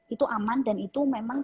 itu aman dan itu memang